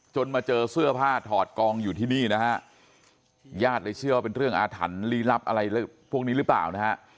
มาเจอเสื้อผ้าถอดกองอยู่ที่นี่นะฮะญาติเลยเชื่อว่าเป็นเรื่องอาถรรพ์ลี้ลับอะไรพวกนี้หรือเปล่านะฮะ